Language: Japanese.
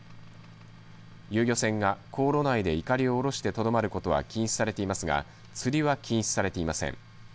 遊漁船が航路内でいかりを下ろしてとどまることは禁止されていますが釣りは禁止されていません。